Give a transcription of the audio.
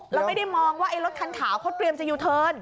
เราไม่ได้มองว่าไอ้รถคันขาวเขาเตรียมจะยูเทิร์น